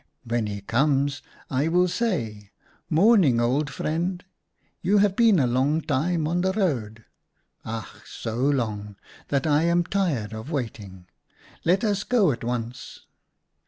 When he comes I will say, ' Morning, Old Friend, you have been a long time on the road — ach ! so long, that I am tired of waiting. Let us go at once.'